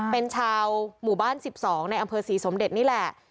เป็นชาวหมู่บ้าน๑๒ในอำเภอศรีสมเด็จนี่แหละ